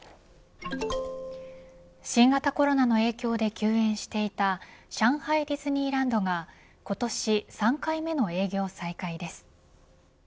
新型コロナの影響で休園していた上海ディズニーランドが今年３回目の営業再開です。